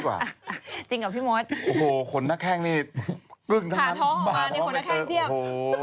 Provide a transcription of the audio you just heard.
ขาท้อออกมาขนนักแข้งเยี่ยมโอ้โห